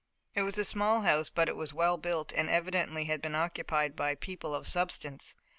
It was a small house, but it was well built and evidently had been occupied by people of substance.